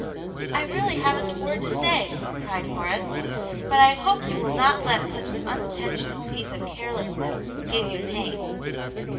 " I really haven't a word to say," cried Horace. " But I hope you will not let such an unintentional piece of carelessness give you pain."